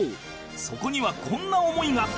そこにはこんな思いが